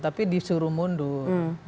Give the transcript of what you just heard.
tapi disuruh mundur